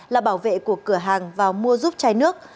là bảo vệ của cửa hàng vào mua giúp chai nước